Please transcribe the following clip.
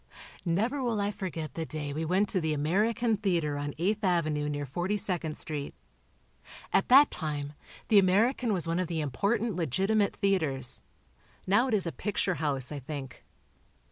Never will I forget the day we went to the American Theatre on Eighth Avenue near 42nd Street. At that time, the American was one of the important legitimate theatres. Now it is a picture house, I think.